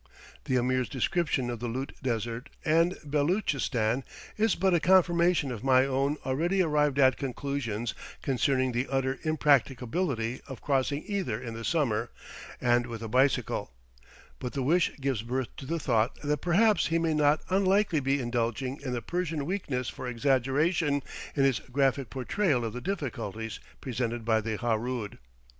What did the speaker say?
The Ameer's description of the Lut Desert and Beloochistan is but a confirmation of my own already arrived at conclusions concerning the utter impracticability of crossing either in the summer and with a bicycle; but the wish gives birth to the thought that perhaps he may not unlikely be indulging in the Persian weakness for exaggeration in his graphic portrayal of the difficulties presented by the Harood.